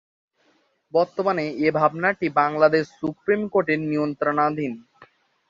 বর্তমানে এ ভবনটি বাংলাদেশ সুপ্রীম কোর্টের নিয়ন্ত্রণাধীন।